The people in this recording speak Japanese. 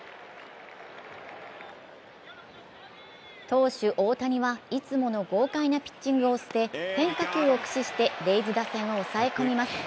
投手・大谷はいつもの豪快なピッチングを捨て変化球を駆使してレイズ打線を抑え込みます。